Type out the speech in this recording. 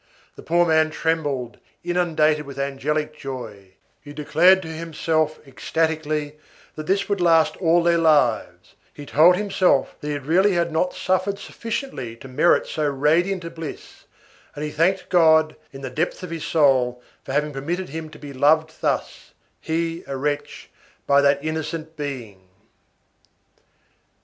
The poor man trembled, inundated with angelic joy; he declared to himself ecstatically that this would last all their lives; he told himself that he really had not suffered sufficiently to merit so radiant a bliss, and he thanked God, in the depths of his soul, for having permitted him to be loved thus, he, a wretch, by that innocent being.